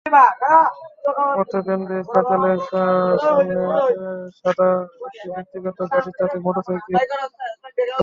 পথে ব্যানবেইস কার্যালয়ের সামনে সাদা একটি ব্যক্তিগত গাড়ি তাঁদের মোটরসাইকেলের পথরোধ করে।